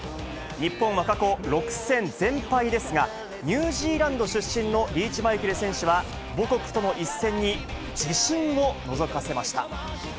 日本は過去６戦全敗ですが、ニュージーランド出身のリーチマイケル選手は、母国との一戦に自信をのぞかせました。